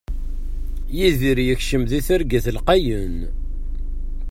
Yidir yekcem di targit lqayen.